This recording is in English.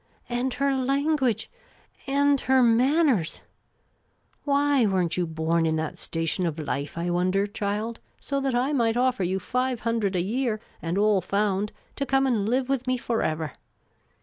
And her language : and her manners ! Why were n't you born in that station of life, I wonder, child, so that I might offer you five hundred a year, and all found, to come and live with me for ever?